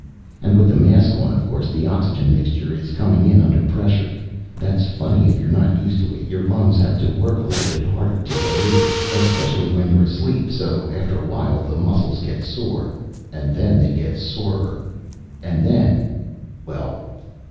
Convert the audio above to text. "And with the mask on, of course, the oxygen mixture is coming in under pressure. That's funny if you're not used to it. Your lungs have to work a little bit harder to get rid of it, especially when you're asleep, so after a while the muscles get sore. And then they get sorer. And then "Well.